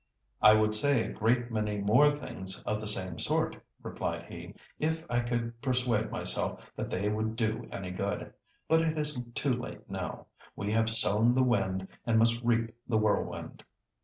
"I would say a great many more things of the same sort," replied he, "if I could persuade myself that they would do any good. But it is too late now. We have sown the wind and must reap the whirlwind."